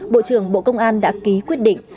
bộ trưởng bộ công an đã ký quyết định